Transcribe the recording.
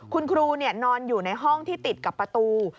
คุณครูนอนอยู่ในห้องที่ติดกับประตู